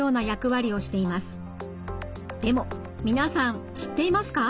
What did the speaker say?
でも皆さん知っていますか？